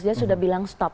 dia sudah bilang stop